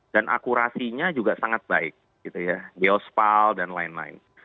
dan akurasinya juga sangat baik gitu ya geospal dan lain lain